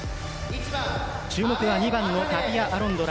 注目は２番のタピア・アロンドラ。